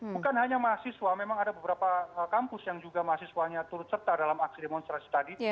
bukan hanya mahasiswa memang ada beberapa kampus yang juga mahasiswanya turut serta dalam aksi demonstrasi tadi